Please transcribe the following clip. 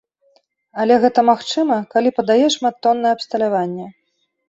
Але гэта магчыма, калі падае шматтоннае абсталяванне.